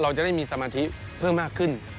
เราจะได้มีสมาธิเพิ่มมากขึ้น